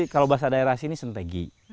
kalau bahasa daerah sini itu jenis entegi